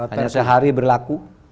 hanya sehari berlaku